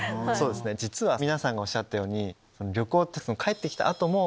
実は皆さんがおっしゃったように旅行って。